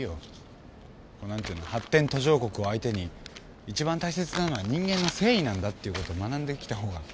何て言うの発展途上国を相手にいちばん大切なのは人間の誠意なんだってことを学んできたほうが。